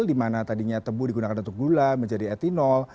di mana tadinya tebu digunakan untuk gula menjadi etinol